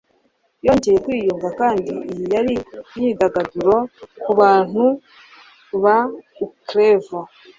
yongeye kwiyunga, kandi iyi yari imyidagaduro kubantu ba ukleevo